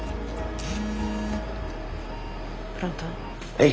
はい。